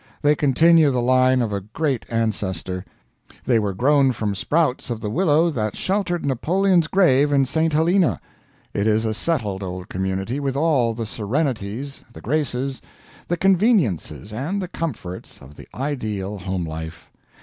They continue the line of a great ancestor; they were grown from sprouts of the willow that sheltered Napoleon's grave in St. Helena. It is a settled old community, with all the serenities, the graces, the conveniences, and the comforts of the ideal home life.